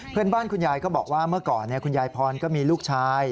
คุณยายก็บอกว่าเมื่อก่อนคุณยายพรก็มีลูกชาย